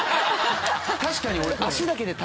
確かに俺。